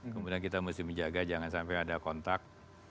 kemudian kita mesti menjaga jangan sampai ada kontak